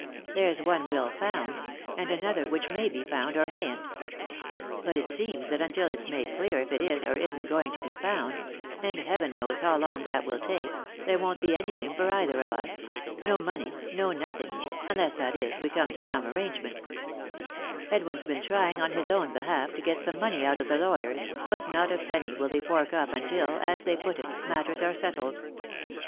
There's one will found ; and another which may be found, or mayn't. But it seems that until it's made clear if it is or isn't going to be found — and heaven knows how long that will take — there won't be anything for either of us; no money, no nothing, unless, that is, we come to some arrangement Edwin's been trying, on his own behalf, to get some money out of the lawyers, but not a penny will they fork up until, as they put it, matters are settled.